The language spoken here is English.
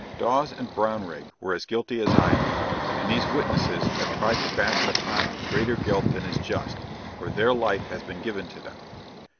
Dawes and Brownrigg were as guilty as I am, and these witnesses have tried to fasten upon me greater guilt than is just, for their life has been given to them.